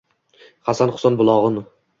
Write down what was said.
Hasan-Husan bulog‘in